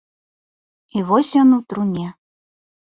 І вось ён у труне.